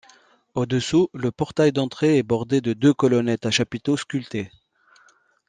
Au-dessous, le portail d'entrée est bordé de deux colonnettes à chapiteaux sculptés.